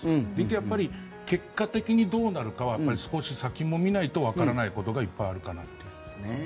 やっぱり結果的にどうなるかは少し先も見ないとわからないことがいっぱいあるかなって。